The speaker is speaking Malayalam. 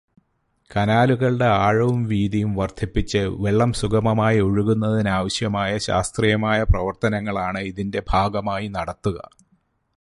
കനാലുകളുടെ ആഴവും വീതിയും വര്ദ്ധിപ്പിച്ച് വെള്ളം സുഗമമായി ഒഴുകുന്നതിനാവശ്യമായ ശാസ്ത്രീയമായ പ്രവര്ത്തനങ്ങളാണ് ഇതിന്റെ ഭാഗമായി നടത്തുക.